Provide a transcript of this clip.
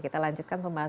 kita lanjutkan pembahasan